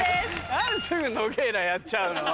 何ですぐノゲイラやっちゃうの？